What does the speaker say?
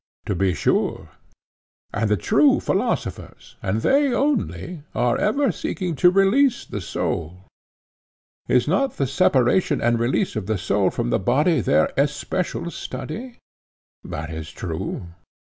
To be sure, he said. And the true philosophers, and they only, are ever seeking to release the soul. Is not the separation and release of the soul from the body their especial study? That is true.